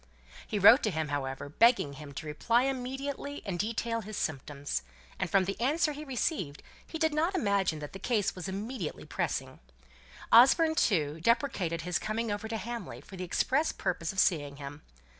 He wrote to him, however, begging him to reply immediately and detail his symptoms; and from the answer he received he did not imagine that the case was immediately pressing. Osborne, too, deprecated his coming over to Hamley for the express purpose of seeing him.